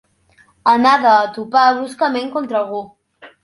Anada a topar bruscament contra algú.